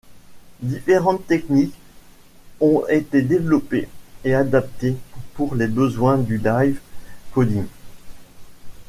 Différentes techniques ont été développées et adaptées pour les besoins du live coding.